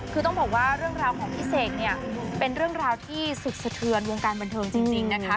คือต้องบอกว่าเรื่องราวของพี่เสกเนี่ยเป็นเรื่องราวที่สุดสะเทือนวงการบันเทิงจริงนะคะ